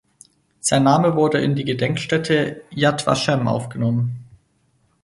Sein Name wurde in die Gedenkstätte Yad Vashem aufgenommen.